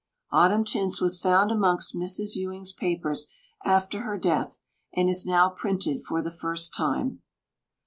"Autumn Tints" was found amongst Mrs. Ewing's papers after her death, and is now printed for the first time.